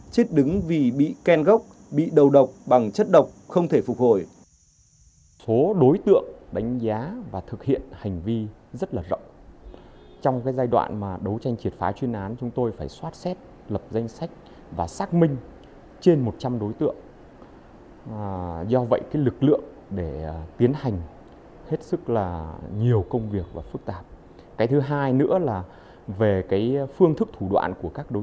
chết đứng vì bị ken gốc bị đầu độc bằng chất độc không thể phục hồi